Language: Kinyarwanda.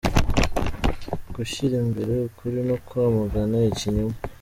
-Gushyira imbere ukuri no kwamagana ikinyoma;